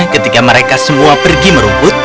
ketika mereka semua pergi merumput